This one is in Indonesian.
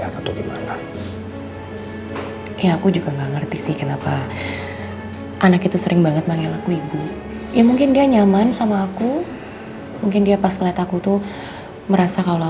ada yang tidak selesai selesai